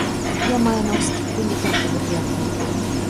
Я маю наўскідку некалькі варыянтаў.